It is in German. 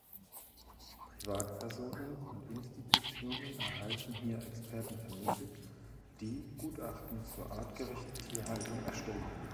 Privatpersonen und Institutionen erhalten hier Experten vermittelt, die Gutachten zur artgerechten Tierhaltung erstellen.